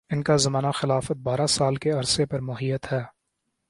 ان کا زمانہ خلافت بارہ سال کے عرصہ پر محیط ہے